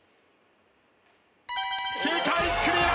正解クリア！